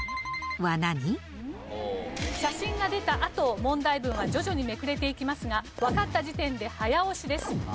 写真が出たあと問題文は徐々にめくれていきますがわかった時点で早押しです。